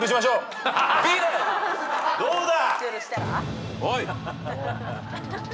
どうだ？